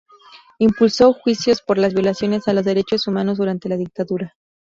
Impulsó juicios por las violaciones a los derechos humanos durante la dictadura.